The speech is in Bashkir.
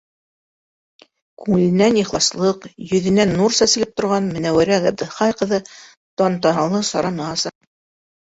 Күңеленән ихласлыҡ, йөҙөнән нур сәселеп торған Менәүәрә Ғәбделхәй ҡыҙы тантаналы сараны аса.